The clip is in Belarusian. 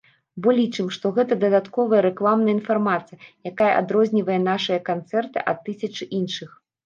Бо лічым, што гэта дадатковая рэкламная інфармацыя, якая адрознівае нашыя канцэрты ад тысячы іншых.